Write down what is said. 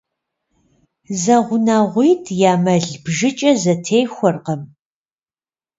Зэгъунэгъуитӏ я мэл бжыкӏэ зэтехуэркъым.